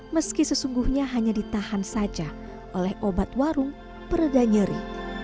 meski sesungguhnya hanya ditahan saja oleh obat warung peredah nyeri